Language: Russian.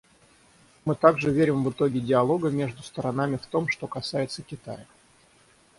Мы также верим в итоги диалога между сторонами в том, что касается Китая.